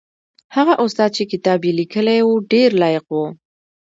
هغه استاد چې کتاب یې لیکلی و ډېر لایق و.